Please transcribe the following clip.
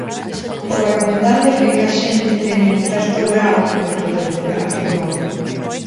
"O recomendábel é que a xente teña certo grao de prudencia", afirmou.